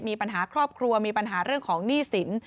มีปัญหาครอบครัวมีปัญหาเรื่องของหนี้สิน